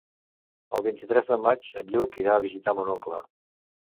El vint-i-tres de maig en Lluc irà a visitar mon oncle.